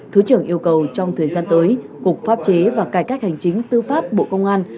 thứ trưởng yêu cầu trong thời gian tới cục pháp chế và cải cách hành chính tư pháp bộ công an